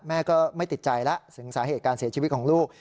แม่ก็ไม่ติดใจแล้วถึงสาเหตุการเสียชีวิตของลูก